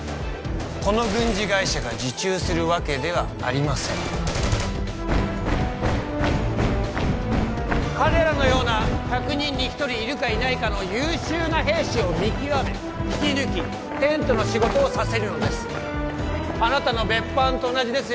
この軍事会社が受注するわけではありません彼らのような１００人に１人いるかいないかの優秀な兵士を見極め引き抜きテントの仕事をさせるのですあなたの別班と同じですよ